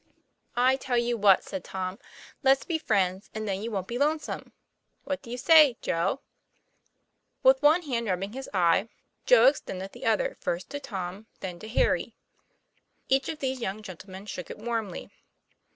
"I tell you what," said Tom; " let's be friends, and then you wont be lonesome. What do you say, Joe?" With one hand rubbing his eyes, Joe extended the 60 TOM PLAYFAIR. other first to Tom, then to Harry. Each of these young gentlemen shook it warmly.